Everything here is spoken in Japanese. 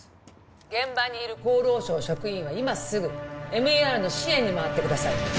現場にいる厚労省職員は今すぐＭＥＲの支援に回ってください